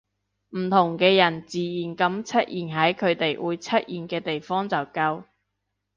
唔同嘅人自然噉出現喺佢哋會出現嘅地方就夠